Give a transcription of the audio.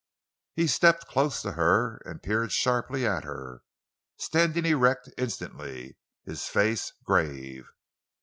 He stepped close to her and peered sharply at her, standing erect instantly, his face grave.